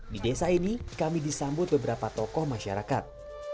di desa ini kami disambut beberapa tokoh masyarakat